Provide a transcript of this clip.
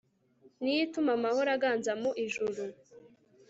ni yo ituma amahoro aganza mu ijuru